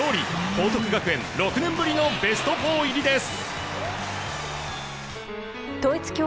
報徳学園６年ぶりのベスト４入りです。